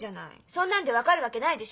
そんなんで分かるわけないでしょ？